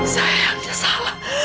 saya yang salah